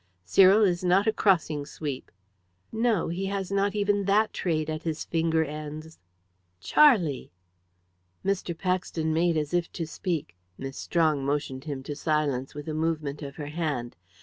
"Cyril is not a crossing sweep." "No; he has not even that trade at his finger ends." "Charlie!" Mr. Paxton made as if to speak. Miss Strong motioned him to silence with a movement of her hand.